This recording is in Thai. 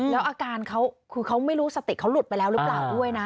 แล้วอาการเขาคือเขาไม่รู้สติเขาหลุดไปแล้วหรือเปล่าด้วยนะ